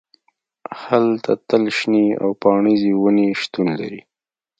هلته تل شنې او پاڼریزې ونې شتون لري